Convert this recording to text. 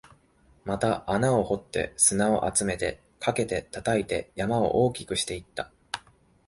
また穴を掘って、砂を集めて、かけて、叩いて、山を大きくしていった